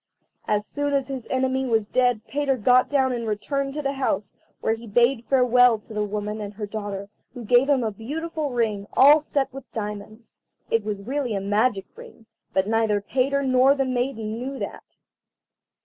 As soon as his enemy was dead Peter got down and returned to the house, where he bade farewell to the old woman and her daughter, who gave him a beautiful ring, all set with diamonds. It was really a magic ring, but neither Peter nor the maiden knew that.